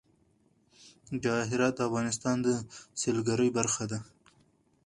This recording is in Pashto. جواهرات د افغانستان د سیلګرۍ برخه ده.